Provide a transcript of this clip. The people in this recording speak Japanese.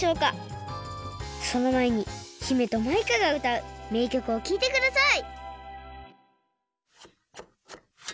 そのまえに姫とマイカがうたうめいきょくをきいてください！